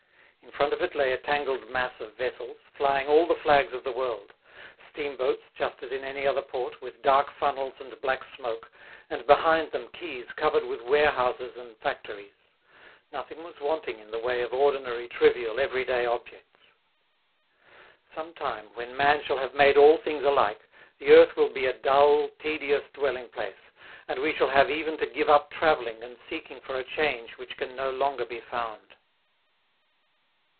In front of it lay a tangled mass of vessels, flying all the flags of the world; steamboats, just as in any other port, with dark funnels and black smoke, and behind them quays covered with warehouses and factories; nothing was wanting in the way of ordinary, trivial, every day objects. Some time, when man shall have made all things alike, the earth will be a dull, tedious dwelling place, and we shall have even to give up travelling and seeking for a change which can no longer be found.